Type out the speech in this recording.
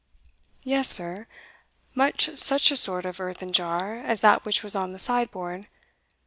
"Yes, sir, much such a sort of earthen jar as that which was on the sideboard.